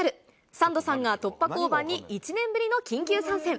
サンドさんが突破交番に１年ぶりの緊急参戦。